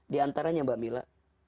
di antaranya mbak mila